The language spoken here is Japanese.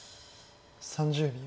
３０秒。